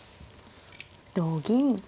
同銀。